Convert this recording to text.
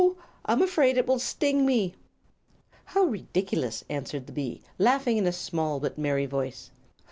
I'm afraid it will sting me!" "How ridiculous!" answered the bee, laughing in a small but merry voice.